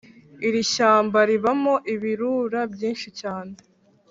Irishyamba ribamo ibirura byinshi cyane